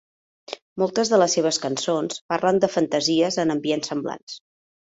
Moltes de les seves cançons parlen de fantasies en ambients semblants.